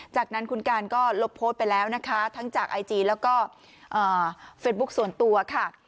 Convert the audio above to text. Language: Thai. จากนั้นคุณการก็ลบโพสต์ไปแล้วนะคะทั้งจากไอจีแล้วก็เฟซบุ๊คส่วนตัวค่ะ